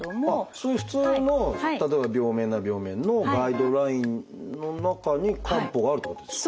そういう普通の例えば病名なら病名のガイドラインの中に漢方があるってことですか？